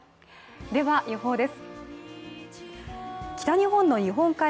では予報です。